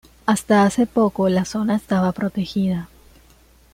Hasta hace poco la zona estaba protegida.